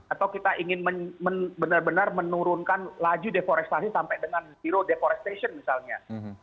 atau kita ingin benar benar menurunkan laju deforestasi sampai dengan zero deforestation misalnya